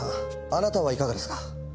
あなたはいかがですか？